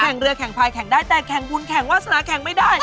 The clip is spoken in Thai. เรือแข่งพายแข่งได้แต่แข่งบุญแข่งวาสนาแข่งไม่ได้